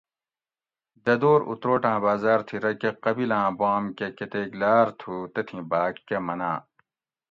ددور اُتروٹاۤں بازار تھی رکہ قبیلاں بام کہ کتیک لاۤر تھو تتھیں باۤک کہ مناں